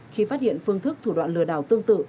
khi phát hiện phương thức thủ đoạn lừa đảo tương tự